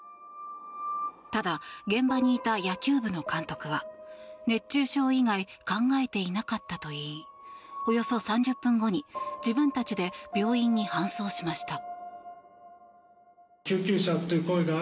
ただ、現場にいた野球部の監督は熱中症以外考えていなかったと言いおよそ３０分後に自分たちで病院に搬送しました。